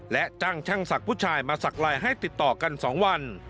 และจ้างช่างศักดิ์ผู้ชายมาสักลายให้ติดต่อกัน๒วัน